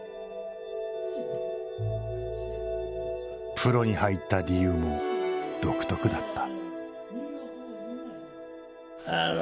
プロに入った理由も独特だった。